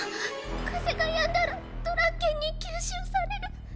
風がやんだらドラッケンに吸収される。